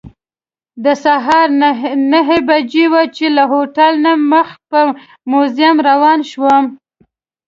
د سهار نهه بجې وې چې له هوټل نه مخ په موزیم روان شوم.